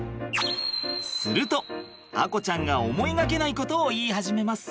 すると亜瑚ちゃんが思いがけないことを言い始めます。